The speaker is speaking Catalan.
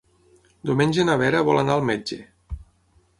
Diumenge na Vera vol anar al metge.